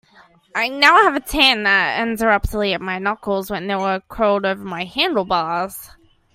I now have a tan that ends abruptly at my knuckles where they were curled over my handlebars.